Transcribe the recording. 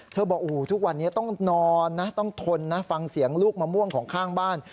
บอกทุกวันนี้ต้องนอนนะต้องทนนะฟังเสียงลูกมะม่วงของข้างบ้าน